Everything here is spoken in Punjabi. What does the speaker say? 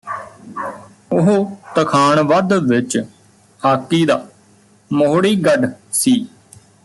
ਉਹ ਤਖਾਣਵੱਧ ਵਿਚ ਹਾਕੀ ਦਾ ਮੋਹੜੀਗੱਡ ਸੀ